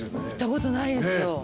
行ったことないですよ。